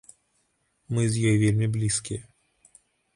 Мы з ёй вельмі блізкія.